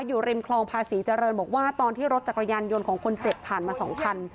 อยู่ริมคลองภาษีเจริญบอกว่าตอนที่รถจักรยานยนต์ของคนเจ็บผ่านมา๒คัน